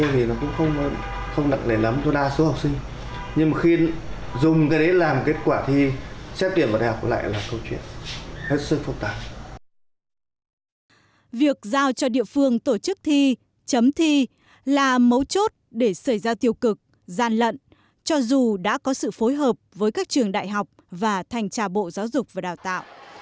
việc giao cho địa phương tổ chức thi chấm thi là mấu chốt để xảy ra tiêu cực gian lận cho dù đã có sự phối hợp với các trường đại học và thành trà bộ giáo dục và đào tạo